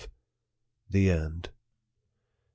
THE END. U.